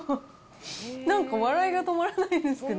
なんか笑いが止まらないですけど。